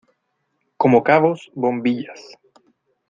como cabos, bombillas.